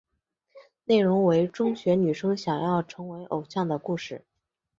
内容为中学女生想要成为偶像的故事。